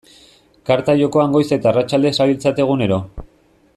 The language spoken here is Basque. Karta jokoan goiz eta arratsalde zabiltzate egunero.